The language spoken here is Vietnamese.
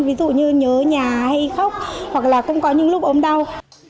ví dụ như nhớ nhà hay khóc hoặc là cũng có những lúc ốm đau